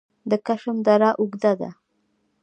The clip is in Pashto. د کشم دره اوږده ده